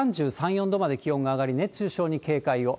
３３、４度まで気温が上がり、熱中症に警戒を。